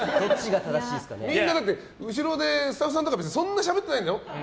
みんな、後ろでスタッフさんとかそんなしゃべってないんだよ。